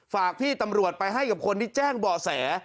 ฝากพี่ตำรวจไปให้กับคนที่แจ้งบ่อแส